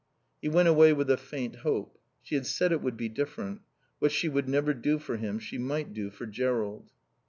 He went away with a faint hope. She had said it would be different; what she would never do for him she might do for Jerrold.